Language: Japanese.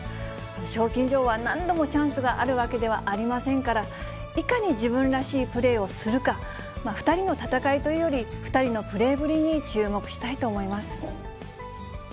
賞金女王は何度もチャンスがあるわけではありませんから、いかに自分らしいプレーをするか、２人の戦いというより、２人のプレーぶりに注目したいと思います。